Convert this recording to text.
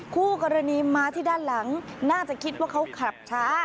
คู่กรณีมาที่ด้านหลังน่าจะคิดว่าเขาขับช้า